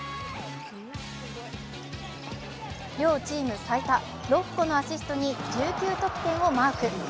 両チーム最多６個のアシストに１９得点をマーク。